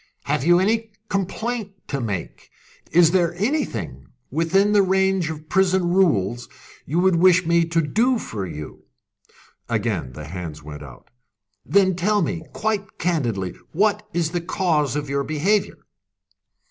"Have you any complaint to make? Is there anything, within the range of the prison rules, you would wish me to do for you?" Again the hands went out. "Then tell me, quite candidly, what is the cause of your behaviour?"